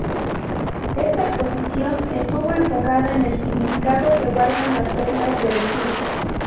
Esta exposición estuvo enfocada en el significado que guardan las prendas de vestir.